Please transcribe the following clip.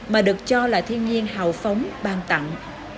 mà được cho là thiên nhiên hào phóng ban tặng